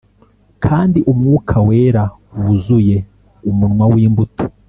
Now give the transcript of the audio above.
kandi umwuka wera, wuzuye umunwa w'imbuto. '